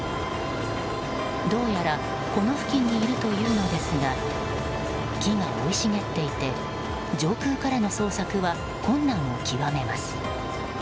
どうやらこの付近にいるというのですが木が生い茂っていて上空からの捜索は困難を極めます。